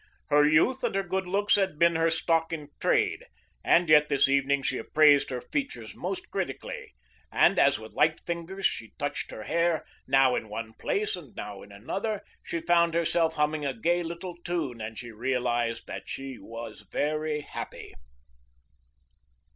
Her youth and her good looks had been her stock in trade, and yet this evening she appraised her features most critically, and as with light fingers she touched her hair, now in one place and now in another, she found herself humming a gay little tune and she realized that she was very happy.